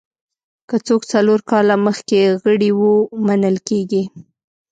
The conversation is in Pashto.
که څوک څلور کاله مخکې غړي وو منل کېږي.